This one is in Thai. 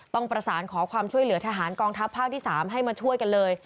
ต้องประสานขอความช่วยเหลือทหารกองทัพภาคที่๓ให้มาช่วยกันเลย